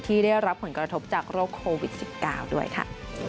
ที่ได้รับผลกระทบจากโรคโควิด๑๙ด้วยค่ะ